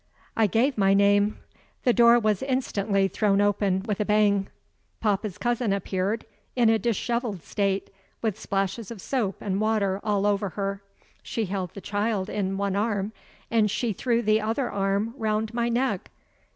I gave my name. The door was instantly thrown open with a bang. Papa's cousin appeared, in a disheveled state, with splashes of soap and water all over her. She held the child in one arm, and she threw the other arm round my neck.